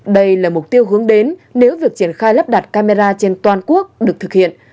đây là mục tiêu hướng đến nếu việc triển khai lắp đặt camera trên toàn quốc được thực hiện